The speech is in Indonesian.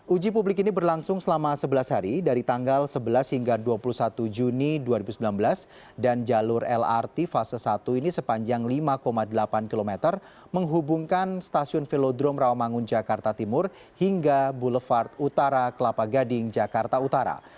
uji publik ini berlangsung selama sebelas hari dari tanggal sebelas hingga dua puluh satu juni dua ribu sembilan belas dan jalur lrt fase satu ini sepanjang lima delapan km menghubungkan stasiun velodrome rawamangun jakarta timur hingga boulevard utara kelapa gading jakarta utara